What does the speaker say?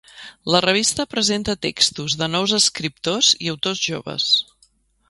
La revista presenta textos de nous escriptors i autors joves.